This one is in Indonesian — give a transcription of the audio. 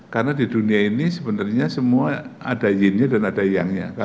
karena di dunia ini sebenarnya semua ada yinnya dan ada yangnya